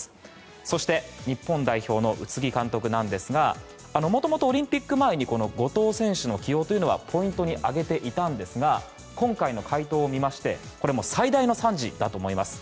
そして日本代表の宇津木監督なんですが元々、オリンピック前に後藤選手の起用というのはポイントに挙げていたんですが今回の快投を見まして最大の賛辞だと思います。